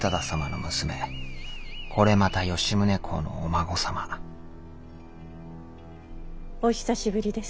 これまた吉宗公のお孫様お久しぶりです